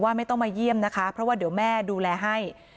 ไม่ต้องมาเยี่ยมนะคะเพราะว่าเดี๋ยวแม่ดูแลให้